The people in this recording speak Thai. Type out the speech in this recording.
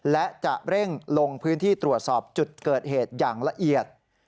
และจะเร่งลงพื้นที่ตรวจสอบจุดเกิดเหตุอย่างละเอียด